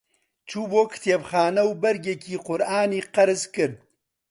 چوو بۆ کتێبخانە و بەرگێکی قورئانی قەرز کرد.